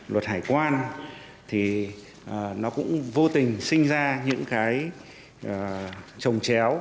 luật hải quan thì nó cũng vô tình sinh ra những cái trồng chéo